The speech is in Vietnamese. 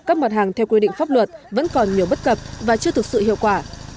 các mặt hàng theo quy định pháp luật vẫn còn nhiều bất cập và chưa thực sự hiệu quả